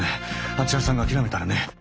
あちらさんが諦めたらね。